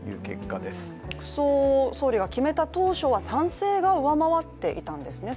国葬、総理が決めた当初は賛成が上回っていたんですよね。